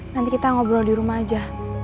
nanti kita ngobrol di rumah aja